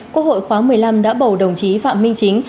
quốc hội khóa một mươi năm đã bầu đồng chí phạm minh chính